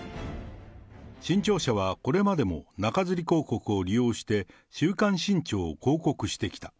新潮社はこれまでも中づり広告を利用して、週刊新潮を広告してきた。